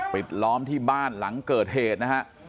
ล้อมที่บ้านหลังเกิดเหตุนะฮะ